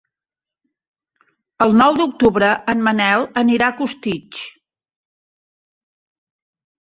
El nou d'octubre en Manel anirà a Costitx.